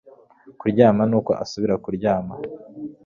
kuryama nuko asubira kuryama